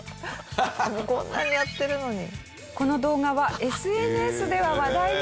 こんなにやってるのに。